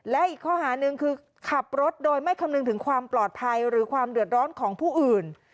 และอีกข้อหาหนึ่งคือขับรถโดยไม่คำนึงถึงความปลอดภัยหรือความเดือดร้อนของผู้อื่น